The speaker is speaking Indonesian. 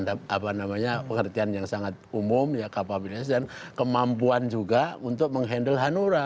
ada apa namanya pengertian yang sangat umum ya kapabilitas dan kemampuan juga untuk menghandle hanura